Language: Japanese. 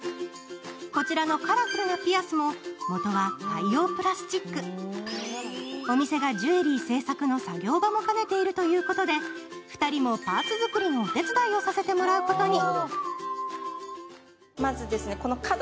こちらのカラフルなピアスも元は海洋プラスチックお店がジュエリー制作の作業場も兼ねているということで、２人もパーツ作りのお手伝いをさせてもらうことに。